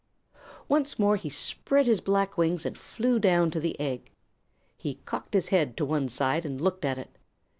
Once more he spread his black wings and flew down to the egg. He cocked his head to one side and looked at it.